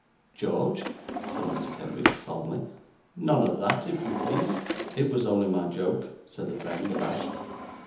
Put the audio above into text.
'George,' said Mr. Kenwigs, solemnly, 'none of that, if you please.' 'It was only my joke,' said the friend, abashed.